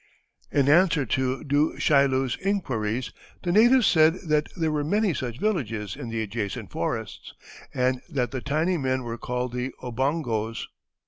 In answer to Du Chaillu's inquiries the natives said that there were many such villages in the adjacent forests, and that the tiny men were called the Obongos.